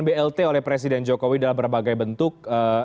blt oleh presiden jokowi dalam berbagai bentuk